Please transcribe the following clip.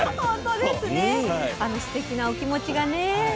あのすてきなお気持ちがね。